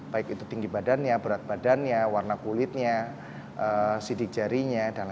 baik itu tinggi badannya berat badannya warna kulitnya sidik jarinya